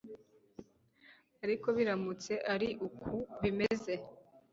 ariko biramutse ari uku bimeze